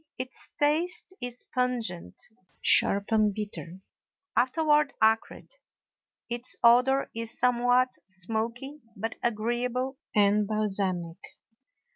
Its taste is pungent, sharp, and bitter, afterward acrid; its odor is somewhat smoky, but agreeable and balsamic.